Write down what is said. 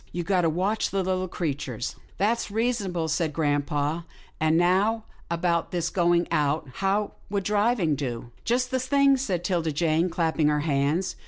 You've got to watch the Httle creatures." " That's reasonable," said grampa, " and now about his going out. How would driving do?" " Just the thing," said 'Tilda Jane, clapping her hands.